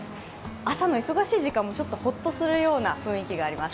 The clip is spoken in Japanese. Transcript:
朝の忙しい時間もちょっとホッとするような雰囲気もあります。